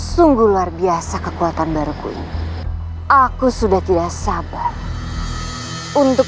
sungguh luar biasa kekuatan baruku ini aku sudah tidak sabar untuk